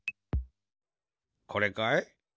これかい？